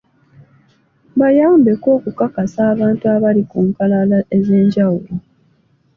Bayambeko okukakasa abantu abali ku nkalala ez'enjawulo.